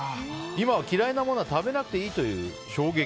今は嫌いなものは食べなくていいという衝撃。